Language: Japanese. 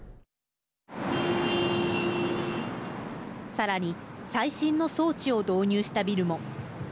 さらに最新の装置を導入したビルも。